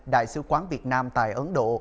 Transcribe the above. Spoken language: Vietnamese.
đại sứ quán việt nam tại ấn độ